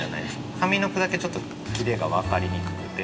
上の句だけちょっとキレが分かりにくくて。